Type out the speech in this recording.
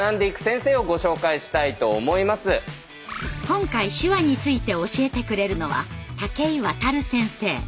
今回手話について教えてくれるのは武居渡先生。